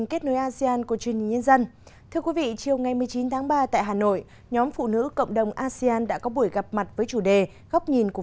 góc nhìn của phụ nữ về ngoại giao trong thế giới số